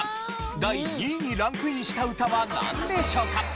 第２位にランクインした歌はなんでしょうか？